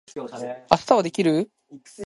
明日はできる？